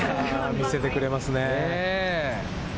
見せてくれますね。